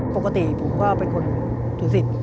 ปกติผมก็เป็นคนถือสิทธิ์